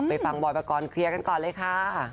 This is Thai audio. ไปฟังบอยปกรณ์เคลียร์กันก่อนเลยค่ะ